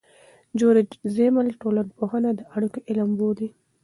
جورج زیمل ټولنپوهنه د اړیکو علم بولي.